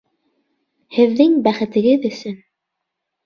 Һеҙҙең бәхетегеҙ өсөн!